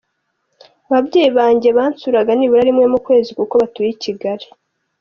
Ababyeyi banjye bansuraga nibura rimwe mu kwezi kuko batuye I Kigali.